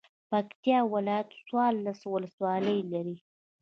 پکتيا ولايت څوارلس ولسوالۍ لري